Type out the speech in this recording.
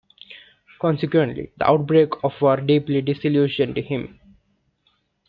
Consequently, the outbreak of war deeply disillusioned him.